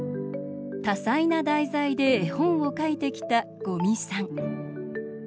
多彩な題材で絵本を描いてきた五味さん。